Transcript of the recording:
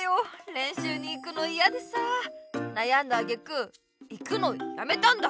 れんしゅうに行くのイヤでさあなやんだあげく行くのやめたんだ。